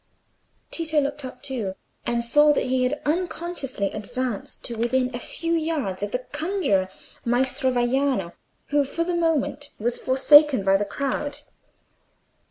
Tito looked up too, and saw that he had unconsciously advanced to within a few yards of the conjuror, Maestro Vaiano, who for the moment was forsaken by the crowd.